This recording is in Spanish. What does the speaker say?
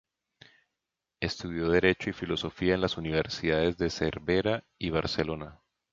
Estudió derecho y filosofía en las universidades de Cervera y Barcelona.